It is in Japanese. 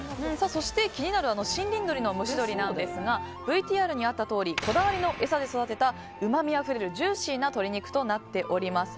そして気になる森林鶏の蒸し鶏ですがＶＴＲにあったとおりこだわりの餌で育てたうまみあふれるジューシーな鶏肉となっています。